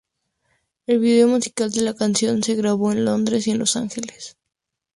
El vídeo musical de la canción se grabó en Londres y en Los Ángeles.